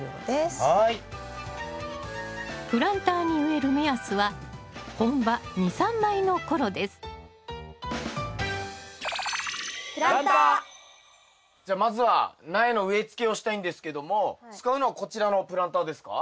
プランターに植える目安は本葉２３枚の頃ですじゃまずは苗の植えつけをしたいんですけども使うのはこちらのプランターですか？